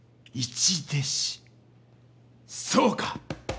そうか！